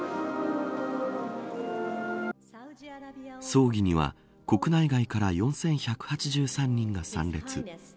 葬儀には国内外から４１８３人が参列。